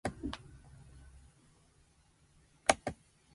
おひょひょひょひょひょひょ